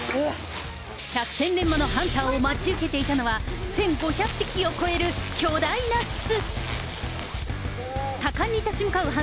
百戦錬磨のハンターを待ち受けていたのは、１５００匹を超える巨大な巣。